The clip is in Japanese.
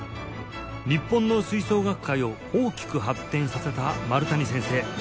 日本の吹奏楽界を大きく発展させた丸谷先生